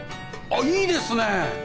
あっいいですね。